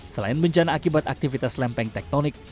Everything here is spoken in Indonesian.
selain bencana akibat aktivitas lempeng tektonik